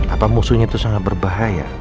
apa musuhnya itu sangat berbahaya